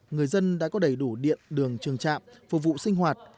người dân đã có đầy đủ điện đường trường trạm phục vụ sinh hoạt